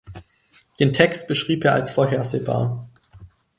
Den Text beschrieb er als vorhersehbar.